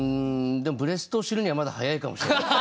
でもブレストを知るにはまだ早いかもしれない。